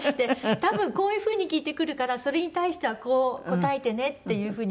多分こういう風に聞いてくるからそれに対してはこう答えてねっていう風にしたんですけど。